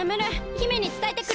姫につたえてくる。